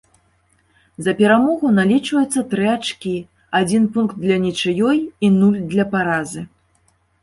За перамогу налічваюцца тры ачкі, адзін пункт для нічыёй і нуль для паразы.